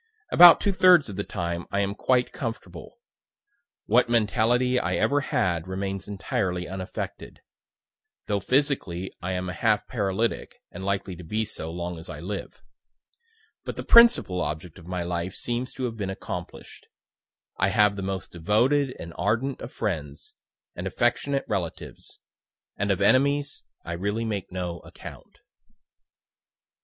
About two thirds of the time I am quite comfortable. What mentality I ever had remains entirely unaffected; though physically I am a half paralytic, and likely to be so, long as I live. But the principal object of my life seems to have been accomplish'd I have the most devoted and ardent of friends, and affectionate relatives and of enemies I really make no account."